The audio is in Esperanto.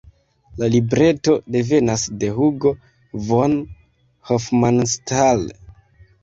La libreto devenas de Hugo von Hofmannsthal.